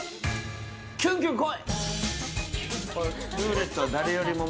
キュンキュンこい！